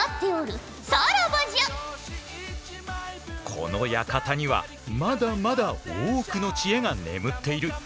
この館にはまだまだ多くの知恵が眠っている。